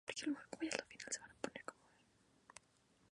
Sur: Con el Municipio de Santa Rosa de Viterbo.